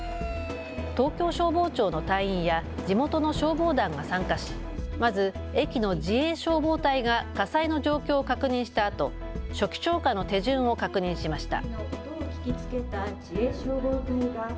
東京消防庁の隊員や地元の消防団が参加し、まず駅の自衛消防隊が火災の状況を確認したあと初期消火の手順を確認しました。